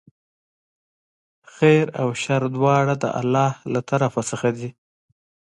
خیر او شر دواړه د الله له طرفه څخه دي.